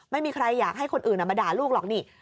ไม่มีใครอยากให้คนอื่นมาด่าลูกหรอกนี่